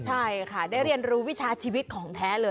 ใช่ค่ะได้เรียนรู้วิชาชีวิตของแท้เลย